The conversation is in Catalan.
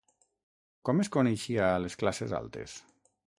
Com es coneixia a les classes altes?